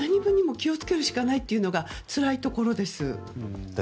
気を付けるしかないというのがつらいところです。